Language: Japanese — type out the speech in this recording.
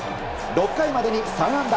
６回までに３安打。